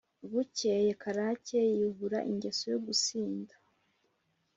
bukeye karake yubura ingeso yo gusinda